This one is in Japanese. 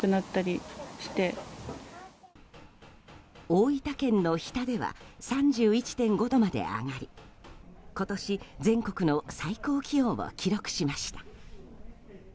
大分県の日田では３１．５度まで上がり今年、全国の最高気温を記録しました。